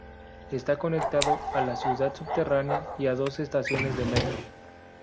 Está conectado a la ciudad subterránea y a dos estaciones de metro.